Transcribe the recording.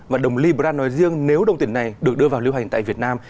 và đồng libra nói riêng nếu đồng tiền này được đưa vào lưu hành tại việt nam